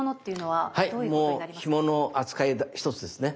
はいもうひもの扱い１つですね。